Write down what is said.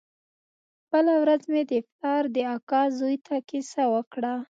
بله ورځ مې د پلار د اکا زوى ته کيسه وکړه.